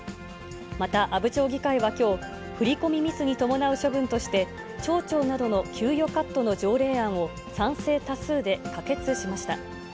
また阿武町議会はきょう、振り込みミスに伴う処分として、町長などの給与カットの条例案を、賛成多数で可決しました。